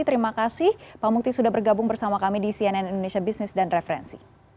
terima kasih pak mukti sudah bergabung bersama kami di cnn indonesia business dan referensi